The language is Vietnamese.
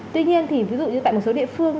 tuy nhiên thì ví dụ như tại một số địa phương